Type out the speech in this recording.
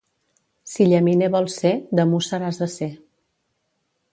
Si llaminer vols ser, de Músser has de ser.